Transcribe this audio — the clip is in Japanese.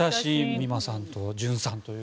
美誠さんと隼さん。